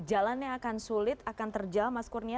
jalannya akan sulit akan terjawab mas kurnia